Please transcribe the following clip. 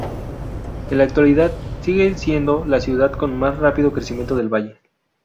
En la actualidad, sigue siendo la ciudad con más rápido crecimiento del valle.